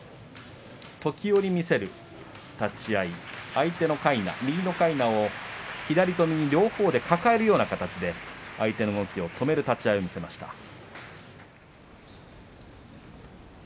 時折見せる立ち合い相手の右のかいなを左と右と両方で抱えるような形で相手の動きを止める立ち合いを見せました。